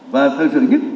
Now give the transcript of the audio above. và thật sự nhất